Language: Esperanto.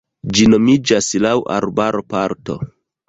Ĝi nomiĝas laŭ arbaro-parto.